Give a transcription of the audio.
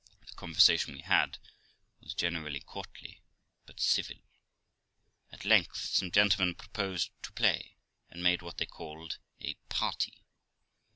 The conversation we had was generally courtly, but civil. At length, some gentlemen proposed to play, and made what they called a party.